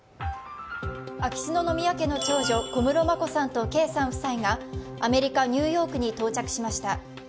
秋篠宮家の長女、小室眞子さん・圭さん夫妻がアメリカ・ニューヨークに到着しました。